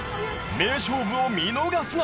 名勝負を見逃すな。